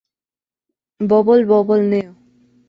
Bubble Bobble Neo!